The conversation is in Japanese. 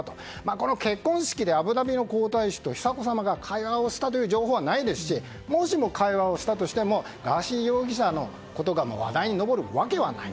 この結婚式でアブダビの皇太子と久子さまが会話をしたという情報はないですしもしも会話をしたとしてもガーシー容疑者のことが話題に上るわけはない。